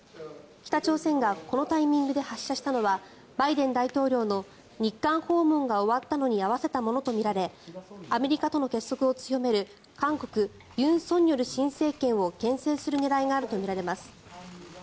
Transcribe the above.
北朝鮮がこのタイミングで発射したのはバイデン大統領の日韓訪問が終わったのに合わせたものとみられアメリカとの結束を強める韓国、尹錫悦新政権をけん制する狙いがあるとみられます。